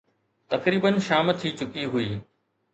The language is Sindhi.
تقريباً شام ٿي چڪي هئي.